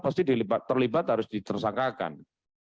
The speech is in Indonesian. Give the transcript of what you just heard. pasti terlibat harus ditersangkakan